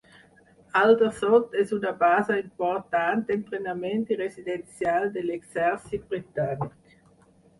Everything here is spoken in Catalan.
Aldershot és una base important d'entrenament i residencial de l'exèrcit britànic.